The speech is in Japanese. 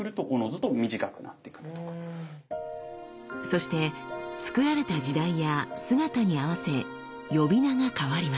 そしてつくられた時代や姿に合わせ呼び名が変わります。